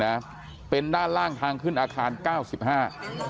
นะเป็นด้านล่างทางขึ้นอาคารเก้าสิบห้า